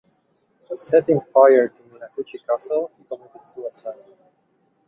Setting fire to Minakuchi Castle, he committed suicide.